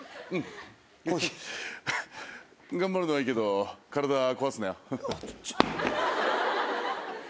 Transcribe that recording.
頑張るのはいいけど体、壊すなよ。